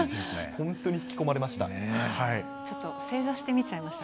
本当に引き込まれました。